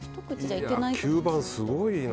吸盤すごいな。